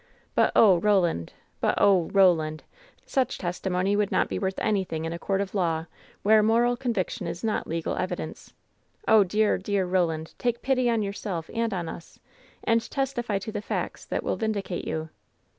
But, oh, Roland! But, oh, Ro land! Such testimony would not be worth anything in a coui t of law, where moral conviction is not legal evidence ! Oh, dear, dear Roland ! Take pity on your self and on us, and testify to the facts that will vindicate you